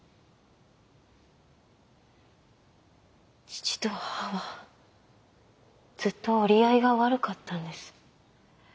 父と母はずっと折り合いが悪かったんです。